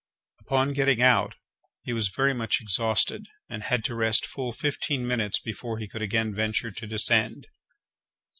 Upon getting out he was very much exhausted, and had to rest full fifteen minutes before he could again venture to descend.